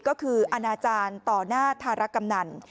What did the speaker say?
ก็คืออาณาจารย์ต่อหน้าธารกำนัน